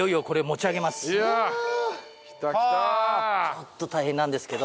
ちょっと大変なんですけど。